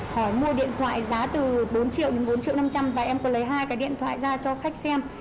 phải mua điện thoại giá từ bốn triệu đến bốn triệu năm trăm linh và em có lấy hai cái điện thoại ra cho khách xem